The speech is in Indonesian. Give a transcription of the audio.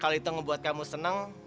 kalau itu ngebuat kamu senang